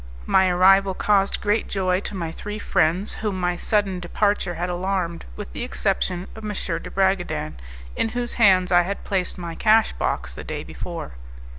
My arrival caused great joy to my three friends, whom my sudden departure had alarmed, with the exception of M. de Bragadin, in whose hands I had placed my cash box the day before.